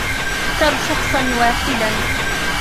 اختر شخصاً واحداً.